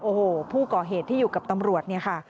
โอ้โหผู้ก่อเหตุที่อยู่กับตำรวจเนี่ยค่ะ